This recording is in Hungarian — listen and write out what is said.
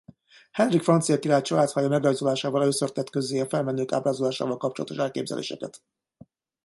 Henrik francia király családfája megrajzolásával először tett közzé a felmenők ábrázolásával kapcsolatos elképzeléseket.